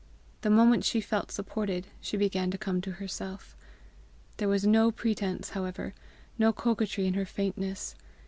The moment she felt supported, she began to come to herself. There was no pretence, however, no coquetry in her faintness.